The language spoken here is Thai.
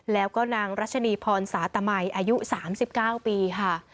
แล้วก็นางรัชนีพรสาตมัยอายุ๓๙ปีค่ะ